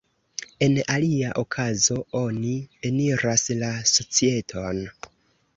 En alia okazo oni eniras la societon.